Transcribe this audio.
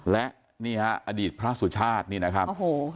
และนี่ฮะอดีตพระสุชาตินี่นะครับโอ้โห